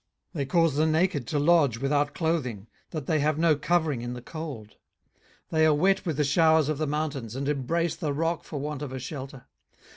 18:024:007 They cause the naked to lodge without clothing, that they have no covering in the cold. 18:024:008 They are wet with the showers of the mountains, and embrace the rock for want of a shelter.